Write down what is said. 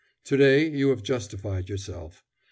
To day you have justified yourself.